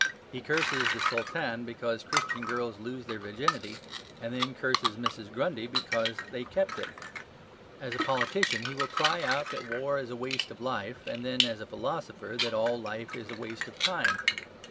He curses the Sultan because Christian girls lose their virginity, and then curses Mrs. Grundy because they keep it. As a politician, he will cry out that war is a waste of life, and then, as a philosopher, that all life is waste of time.